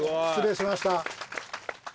失礼しました。